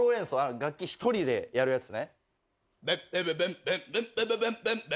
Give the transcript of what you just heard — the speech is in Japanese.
楽器一人でやるやつね。